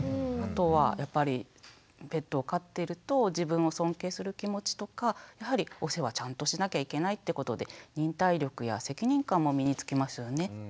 あとはやっぱりペットを飼っていると自分を尊敬する気持ちとかやはりお世話ちゃんとしなきゃいけないってことで忍耐力や責任感も身につきますよね。